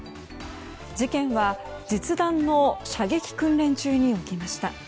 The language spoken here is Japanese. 事件は実弾の射撃訓練中に起きました。